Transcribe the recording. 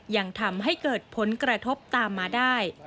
ยังทำให้เกิดผลกระทบตามมาได้